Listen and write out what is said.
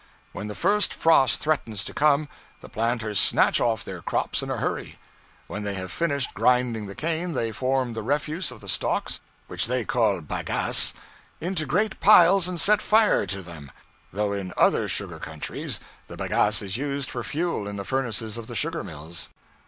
When the first frost threatens to come, the planters snatch off their crops in a hurry. When they have finished grinding the cane, they form the refuse of the stalks (which they call bagasse) into great piles and set fire to them, though in other sugar countries the bagasse is used for fuel in the furnaces of the sugar mills.